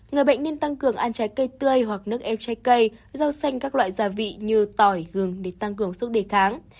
người bệnh nên tăng cường ăn trái cây tươi hoặc nước ép trái cây rau xanh các loại gia vị như tỏi gừng để tăng cường sức đề kháng